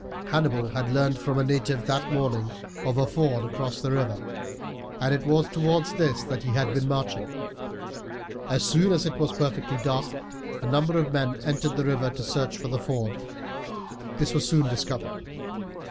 Hannibal had learned from a native that morning of a ford across the river, and it was towards this that he had been marching. As soon as it was perfectly dark a number of men entered the river to search for the ford. This was soon discovered.